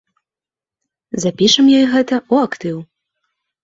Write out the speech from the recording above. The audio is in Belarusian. Запішам ёй гэта ў актыў.